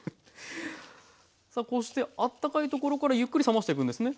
さあこうしてあったかいところからゆっくり冷ましていくんですね。